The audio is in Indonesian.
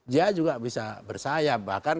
dia juga bisa bersayap bahkan